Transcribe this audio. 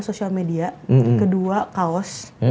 sosial media kedua kaos